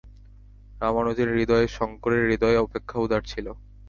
রামানুজের হৃদয় শঙ্করের হৃদয় অপেক্ষা উদার ছিল।